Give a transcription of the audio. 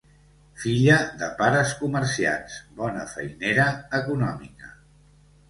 Filla de pares comerciants, bona feinera, econòmica